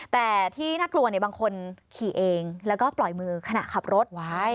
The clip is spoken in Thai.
แต่ที่น่ากลัวเนี่ยบางคนขี่เองแล้วก็ปล่อยมือขณะขับรถไว้